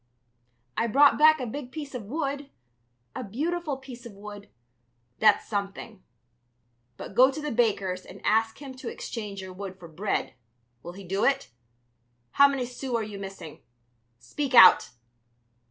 "I brought back a big piece of wood, a beautiful piece of wood...." "That's something. But go to the baker's and ask him to exchange your wood for bread, will he do it? How many sous are you missing? Speak out!"